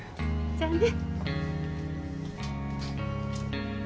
じゃあね。